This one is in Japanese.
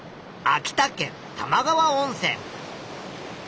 秋田県玉川温泉。